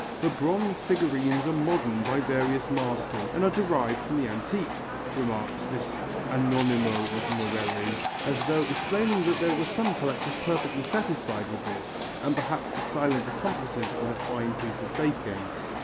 "The bronze figurines are modern by various masters and are derived from the antique," remarks this Anonimo of Morelli, as though explaining that there were some collectors perfectly satisfied with this and perhaps the silent accomplices of a fine piece of faking.